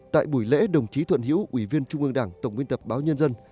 tại buổi lễ đồng chí thuận hiễu ủy viên trung ương đảng tổng biên tập báo nhân dân